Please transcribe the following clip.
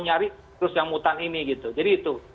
nyari terus yang mutan ini gitu jadi itu